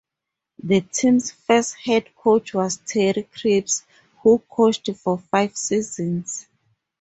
The team's first head coach was Terry Crisp, who coached for five seasons.